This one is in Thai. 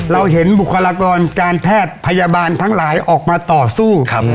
เราเห็นบุคลากรการแพทย์พยาบาลทั้งหลายออกมาต่อสู้